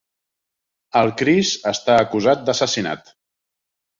El Chris està acusat d'assassinat.